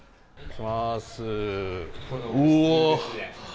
うわ！